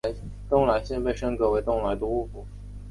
东莱县被升格为东莱都护府。